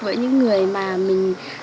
với những người mà mình